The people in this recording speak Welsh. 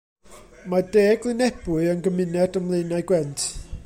Mae De Glynebwy yn gymuned ym Mlaenau Gwent.